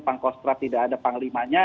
pak kostrat tidak ada panglimanya